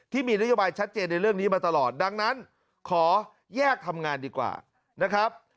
ที่มีนโยบายชัดเจนในเรื่องนี้มาตลอดดังนั้นขอแยกทำงานดีกว่านะครับ